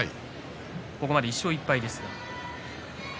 ここまで１勝１敗です。